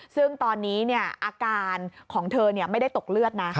ซึ่งตอนนี้อาการของเธอไม่ได้ตกเลือดนะ